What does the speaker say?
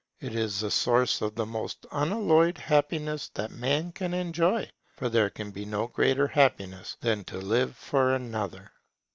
It is the source of the most unalloyed happiness that man can enjoy; for there can be no greater happiness than to live for another.